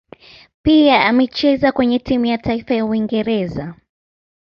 Pia amecheza kwenye timu ya taifa ya Uingereza.